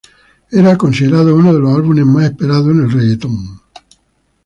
Era considerado uno de los álbumes más esperados en el Reggaeton.